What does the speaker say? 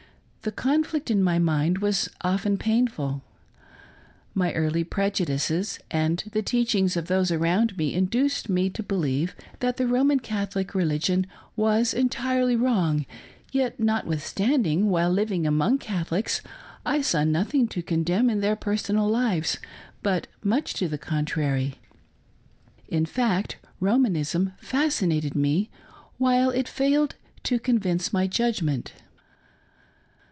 The conflict in my mind was often painful. My early prejudices and the teachings of those around me induced me to believe that the Roman Catholic religion was entirely wrong; yet, notwithstanding, while living among Catholics I saw nothing to condemn in their personal lives, but much to the contrary. In fact, Romanism fascinated me, while it failed to convince my judgment.